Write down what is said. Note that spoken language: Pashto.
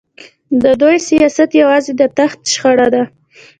د دوی سیاست یوازې د تخت شخړه ده.